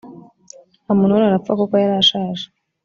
amunoni arapfa kuko yari ashaje